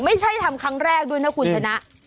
ไม่ใช่ทำครั้งแรกด้วยนะคุณชนะ